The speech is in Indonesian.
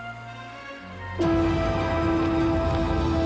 itu bukan perbuatan manusia